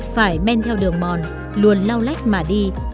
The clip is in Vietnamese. phải men theo đường mòn luôn lau lách mà đi